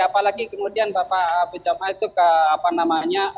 apalagi kemudian bapak pejabat itu ke apa namanya